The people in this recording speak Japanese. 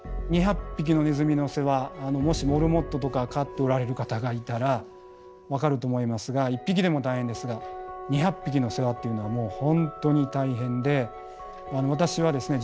２００匹のネズミの世話もしモルモットとか飼っておられる方がいたら分かると思いますが１匹でも大変ですが２００匹の世話っていうのは本当に大変で私はですね